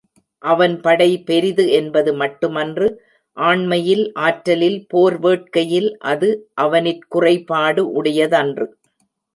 அவன் படை பெரிது என்பது மட்டுமன்று ஆண்மையில், ஆற்றலில், போர் வேட்கையில், அது, அவனிற் குறைபாடு உடையதன்று.